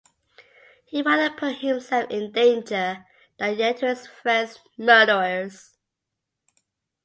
He’d rather put himself in danger than yield to his friend’s murderers